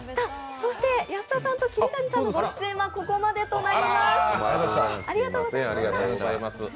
そして安田さんと桐谷さんのご出演はここまでとなります。